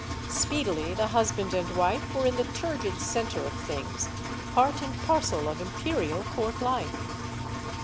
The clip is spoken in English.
Speedily the husband and wife were in the turgid center of things; part and parcel of imperial court life.